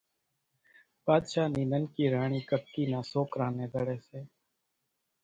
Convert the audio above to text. ٻاۮشاھ نِي ننڪي راڻِي ڪڪِي نان سوڪران نين زڙي سي